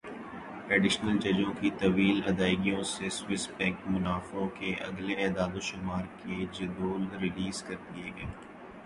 additional ججوں کی طویل ادائیگیوں سے سوئس بینک منافعوں کے اگلے اعدادوشمار کے جدول ریلیز کر دیے گئے